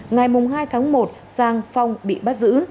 ngày hai tháng một sang phong bị bắt giữ